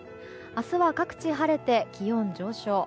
明日は各地晴れて気温上昇。